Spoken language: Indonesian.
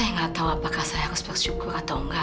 saya nggak tahu apakah saya harus bersyukur atau enggak